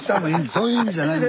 そういう意味じゃないんです。